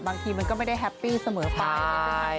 บางทีมันก็ไม่ได้แฮปปี้เสมอไป